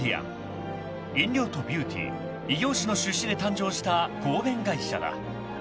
［飲料とビューティー異業種の出資で誕生した合弁会社だ］